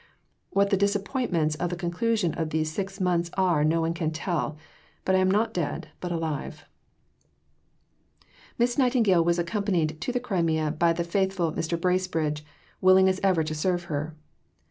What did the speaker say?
What the disappointments of the conclusion of these six months are no one can tell. But I am not dead, but alive." Miss Nightingale was accompanied to the Crimea by the faithful Mr. Bracebridge, willing as ever to serve her.